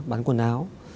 bán quần áo